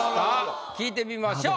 聞いてみましょう。